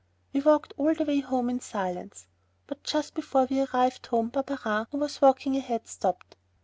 We walked all the way home in silence. But just before we arrived home Barberin, who was walking ahead, stopped.